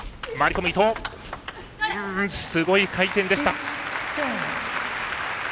すごい回転でした。